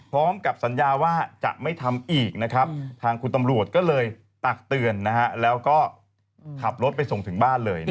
พร้อมกับสัญญาว่าจะไม่ทำอีกนะครับทางคุณตำรวจก็เลยตักเตือนแล้วก็ขับรถไปส่งถึงบ้านเลย